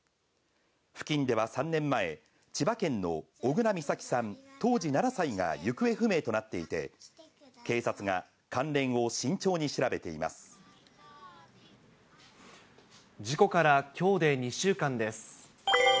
付近では３年前、千葉県の小倉美咲さん当時７歳が行方不明となっていて、事故から、きょうで２週間です。